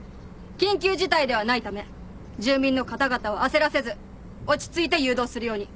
緊急事態ではないため住民の方々を焦らせず落ち着いて誘導するように。